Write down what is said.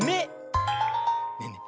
ねえねえ